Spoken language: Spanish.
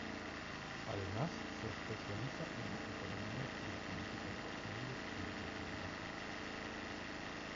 Además, se especializa en economía y la política de los medios y el entretenimiento.